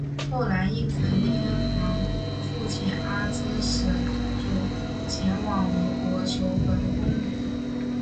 后来应神天皇复遣阿知使主前往吴国求缝工女。